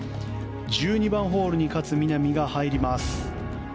１２番ホールに勝みなみが入ります。